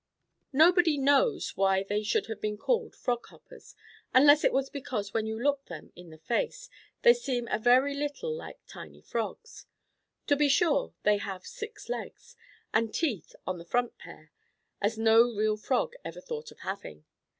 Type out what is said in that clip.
Nobody knows why they should have been called Frog Hoppers, unless it was because when you look them in the face they seem a very little like tiny Frogs. To be sure, they have six legs, and teeth on the front pair, as no real Frog ever thought of having.